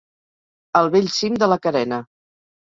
Al bell cim de la carena.